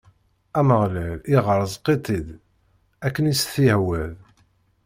Ameɣlal ireẓq-itt-id, akken i s-t-iwɛed.